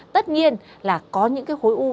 tất nhiên là có những cái khối u